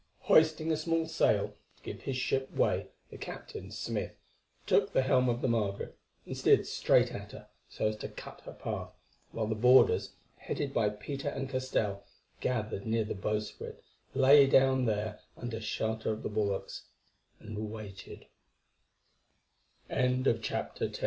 Hoisting a small sail to give his ship way, the captain, Smith, took the helm of the Margaret and steered straight at her so as to cut her path, while the boarders, headed by Peter and Castell, gathered near the bowsprit, lay down there under shelter of the bulwarks, and waited. CHAPTER XI.